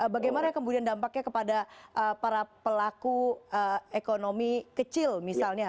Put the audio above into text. bagaimana kemudian dampaknya kepada para pelaku ekonomi kecil misalnya